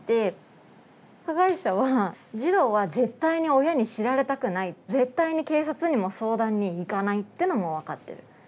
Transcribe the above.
加害者は児童は絶対に親に知られたくない絶対に警察にも相談に行かないってのも分かってる。